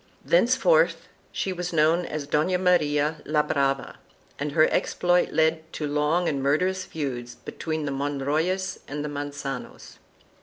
Thenceforth she was known as Dona Maria la Brava, and her exploit led to long and mur derous feuds between the Monroyes and the Manganos.